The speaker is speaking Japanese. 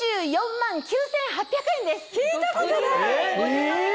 聞いたことない！